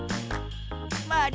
まり。